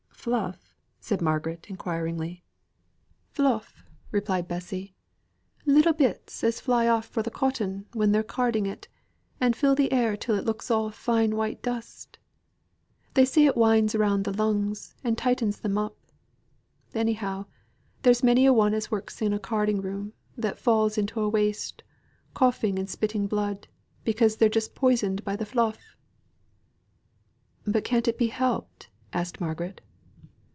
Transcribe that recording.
"Fluff?" said Margaret, inquiringly. "Fluff," repeated Bessy. "Little bits, as fly off fro' the cotton, when they're carding it, and fill the air till it looks all fine white dust. They say it winds rounds the lungs, and tightens them up. Anyhow, there's many a one as works in a carding room, that falls into a waste, coughing and spitting blood, because they're just poisoned by the fluff." "But can't it be helped?" asked Margaret.